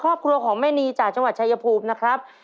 ครอบครัวของแม่นีจากจังหวัดชายภูมินะครับ